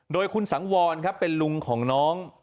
โดยคุณสังวรครับเป็นลุงของน้อง